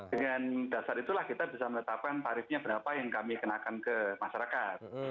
dengan dasar itulah kita bisa menetapkan tarifnya berapa yang kami kenakan ke masyarakat